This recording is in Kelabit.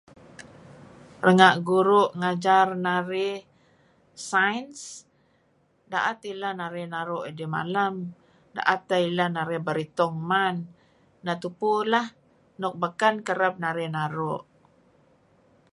Renga' guru' ngajar narih sains da'et ileh narih idih malem, da'et teh ileh narih beritung man . Nah tupu lah, nuk beken kereb narih naru'.